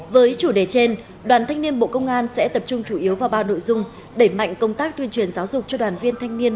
với chủ đề trên đoàn thanh niên bộ công an sẽ tập trung chủ yếu vào ba nội dung đẩy mạnh công tác tuyên truyền giáo dục cho đoàn viên thanh niên